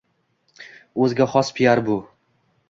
O‘ziga xos piar bu.